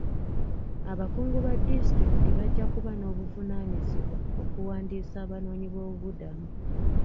Abakungu ba disitulikiti bajja kuba n'obuvunaanyizibwa okuwandiisa abanoonyi boobubudamu.